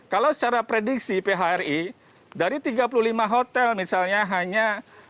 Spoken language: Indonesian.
kalau secara prediksi phri dari tiga puluh lima hotel misalnya hanya